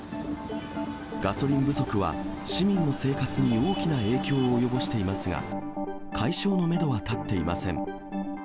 ガソリン不足は市民の生活に大きな影響を及ぼしていますが、解消のメドは立っていません。